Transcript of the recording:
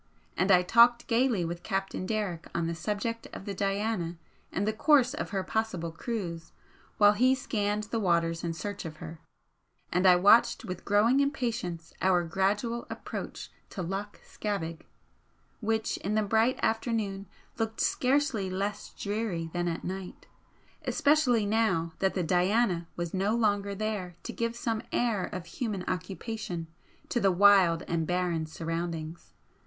And I talked gaily with Captain Derrick on the subject of the 'Diana' and the course of her possible cruise, while he scanned the waters in search of her, and I watched with growing impatience our gradual approach to Loch Scavaig, which in the bright afternoon looked scarcely less dreary than at night, especially now that the 'Diana' was no longer there to give some air of human occupation to the wild and barren surroundings.